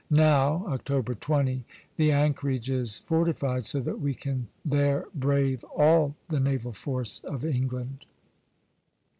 Now [October 20], the anchorage is fortified so that we can there brave all the naval force of England."